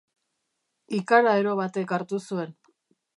Ikara ero batek hartu zuen.